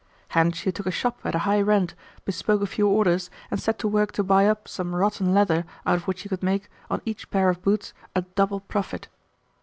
Hence you took a shop at a high rent, bespoke a few orders, and set to work to buy up some rotten leather out of which you could make, on each pair of boots, a double profit.